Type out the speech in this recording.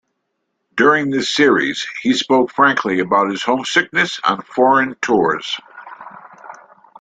During this series, he spoke frankly about his homesickness on foreign tours.